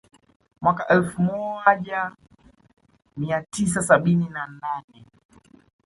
Mwaka elfu moaja mia tisa sabini na nane